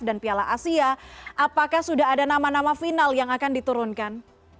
dan piala asia apakah sudah ada nama nama final yang akan diturunkan